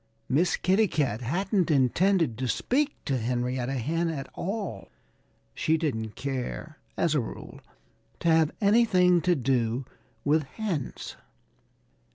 Miss Kitty Cat hadn't intended to speak to Henrietta Hen at all. She didn't care, as a rule, to have anything to do with hens.